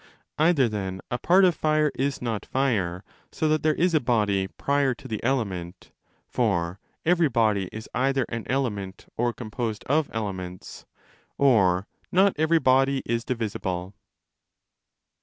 Either, then, a part of fire is not fire, so that 306° there is a body prior to the element—for every body is either an element or composed of elements—or not every body is divisible.